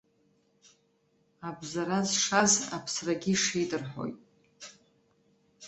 Абзара зшаз аԥсрагьы ишеит рҳәоит.